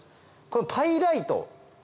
このパイライト。